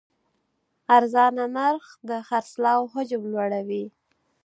ارزانه نرخ د خرڅلاو حجم لوړوي.